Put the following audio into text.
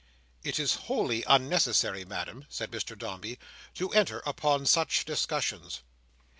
"It is wholly unnecessary, Madam," said Mr Dombey, "to enter upon such discussions."